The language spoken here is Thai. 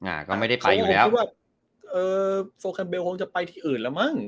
อีกออกที่ก็คิดว่าโฟล์แคมเบลคงจะไปที่อื่นแล้วมั้ง